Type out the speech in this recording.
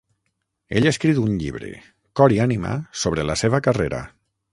Ell ha escrit un llibre, "Cor i ànima", sobre la seva carrera.